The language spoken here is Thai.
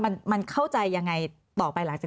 ทำไมรัฐต้องเอาเงินภาษีประชาชน